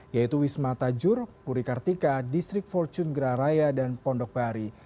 yaitu wisma tajur purikartika distrik fortune geraraya dan pondok bari